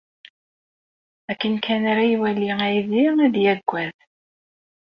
Akken kan ara iwali aydi, ad yaggad.